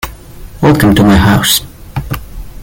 Welcome to my house.